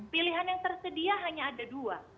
pilihan yang tersedia hanya ada dua